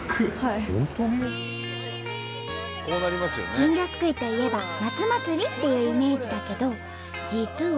金魚すくいといえば夏祭りっていうイメージだけど実は。